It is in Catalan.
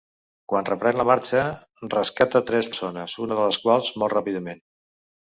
Quan reprèn la marxa, rescata tres persones, una de les quals mor ràpidament.